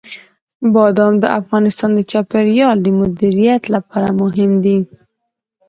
بادام د افغانستان د چاپیریال د مدیریت لپاره مهم دي.